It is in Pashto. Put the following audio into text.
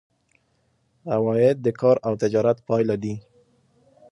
عواید د کار او تجارت پایله دي.